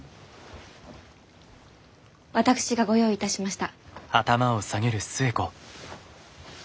私がご用意いたしました。